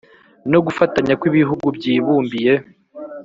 No gufatanya kw ibihugu byibumbiye